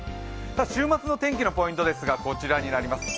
週末の天気のポイントですがこちらになります。